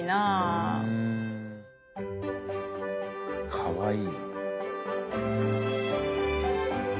かわいい。